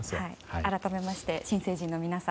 改めまして新成人の皆さん